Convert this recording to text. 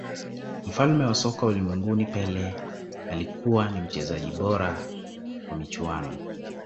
mfalme wa soka ulimwenguni pele alikuwa ni mchezaji bora wa michuano